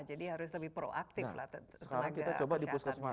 jadi harus lebih proaktif lah tenaga kesehatannya